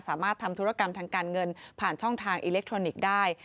สามารถทำธุรกรรมทางการเงินผ่านช่องทางอิเล็กทรอนิกส์ได้